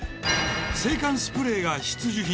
制汗スプレーが必需品。